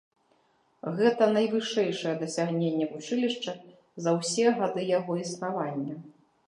Гэта найвышэйшае дасягненне вучылішча за ўсе гады яго існавання.